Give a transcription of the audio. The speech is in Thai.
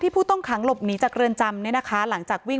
ผู้ต้องขังหลบหนีจากเรือนจำเนี่ยนะคะหลังจากวิ่ง